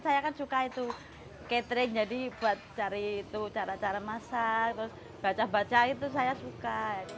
saya kan suka itu catering jadi buat cari cara cara masak terus baca baca itu saya suka